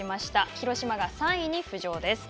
広島が３位に浮上です。